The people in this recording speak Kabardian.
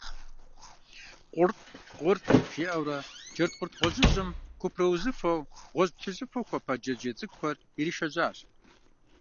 Къурт–къурт, жиӀэурэ джэдкъурт гъуэжьыжьым купраузыфэу, гъуэжь–плъыжьыфэу хуэпа джэджьей цӀыкӀухэр иришэжьащ.